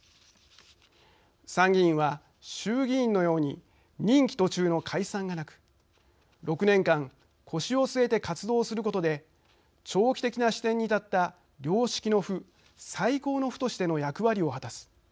参議院は、衆議院のように任期途中の解散がなく、６年間腰を据えて活動することで長期的な視点に立った良識の府、再考の府としての役割を果たす。